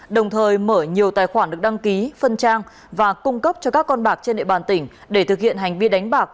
đồng thời mở nhiều tài khoản được đăng ký phân trang và cung cấp cho các con bạc trên địa bàn tỉnh để thực hiện hành vi đánh bạc